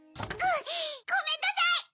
ごめんなさい！